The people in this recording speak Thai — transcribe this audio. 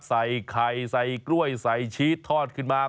ใส่ไข่ใส่กล้วยใส่ชีสทอดขึ้นมา